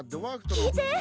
聞いて！